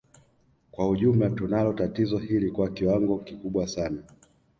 Kwa ujumla tunalo tatizo hili kwa kiwango kikubwa sana